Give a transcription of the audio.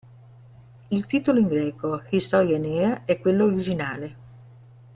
Il titolo in greco, "Historia Nea", è quello originale.